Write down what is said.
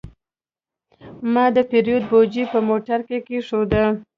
ما د پیرود بوجي په موټر کې کېښوده.